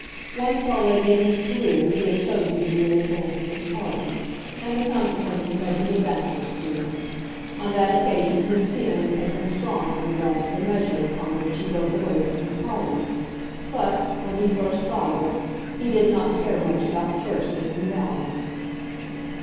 Once already in his career he had chosen to be in advance of his party, and the consequences had been disastrous to him. On that occasion his feelings had been strong in regard to the measure upon which he broke away from his party; but, when he first thought of it, he did not care much about Church disendowment.